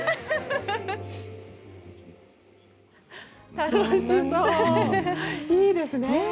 楽しそう、いいですね。